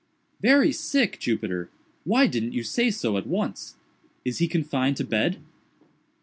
"Very sick, Jupiter!—why didn't you say so at once? Is he confined to bed?"